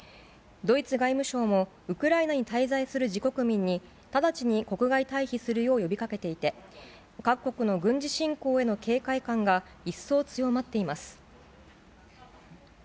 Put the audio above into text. ドイツ外務省も、ウクライナに滞在する自国民に、直ちに国外退避するよう呼びかけていて、各国の軍事侵攻への警戒感が一層強まっています。